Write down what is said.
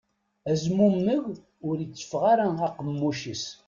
Azmumeg ur itteffeɣ ara aqemmuc-is.